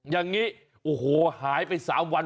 อย่างนี้โอ้โหหายไป๓วัน